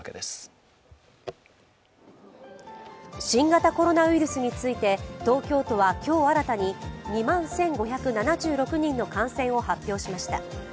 新型コロナウイルスについて東京都は今日新たに２万１５７６人の感染を発表しました。